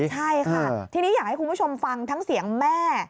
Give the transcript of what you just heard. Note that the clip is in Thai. ใช่ค่ะทีนี้อยากให้คุณผู้ชมฟังทั้งเสียงแม่